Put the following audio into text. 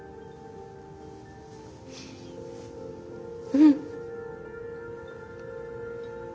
うん。